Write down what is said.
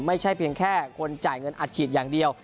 ไม่ใช่เพียงแค่คนจ่ายเงินอัดฉีดอย่างเดียว